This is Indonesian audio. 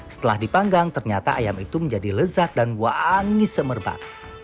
setelah dipanggang ternyata ayam itu menjadi lezat dan wangi semerbak